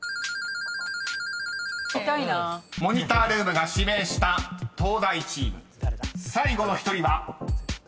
［モニタールームが指名した東大チーム最後の１人は］